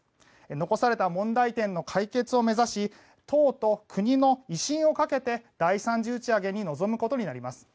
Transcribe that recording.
残された問題点の解決を目指し党と国の威信をかけて第３次打ち上げに臨むことになります。